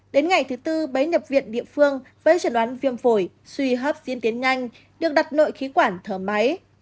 đến ngày thứ tư bấy nhập viện địa phương với trần đoán viêm phổi suy hấp diễn tiến nhanh được đặt nội khí quản thở máy